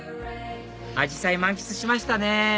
アジサイ満喫しましたね